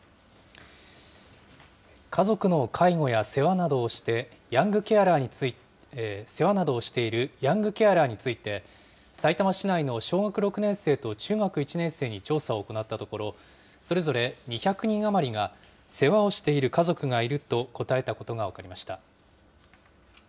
家族の介護や世話などをしているヤングケアラーについて、さいたま市内の小学６年生と中学１年生に調査を行ったところ、それぞれ２００人余りが、世話をしている家族がいると答えたことが分かりました。